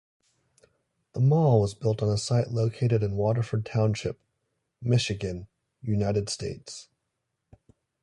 The Mall was built on a site located in Waterford Township, Michigan, United States.